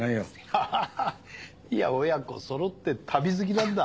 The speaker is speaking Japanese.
ハハハハいや親子そろって旅好きなんだ。